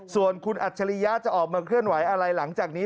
ส่วนคุณอัจฉริยะจะออกมาเคลื่อนไหวอะไรหลังจากนี้